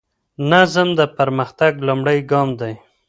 نظم د پرمختګ لومړی ګام دی.